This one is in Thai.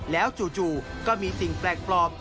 แล้วจู่ก็มีสิ่งแปลกปลอม